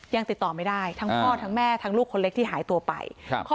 ยังติดต่อไม่ได้ทั้งพ่อทั้งแม่ทั้งลูกคนเล็กที่หายตัวไปครับ